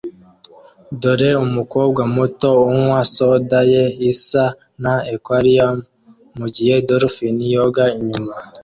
Dore umukobwa muto unywa soda ye isa na aquarium mugihe dolphine yoga inyuma